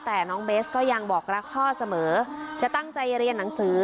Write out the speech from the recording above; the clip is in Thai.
แต่น้องเบสก็ยังบอกรักพ่อเสมอจะตั้งใจเรียนหนังสือ